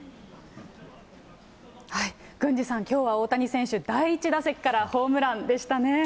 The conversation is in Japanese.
郡司さん、きょうは大谷選手、第１打席からホームランでしたね。